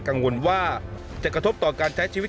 กังวลว่าจะกระทบต่อการใช้ชีวิต